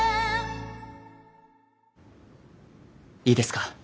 いいですか？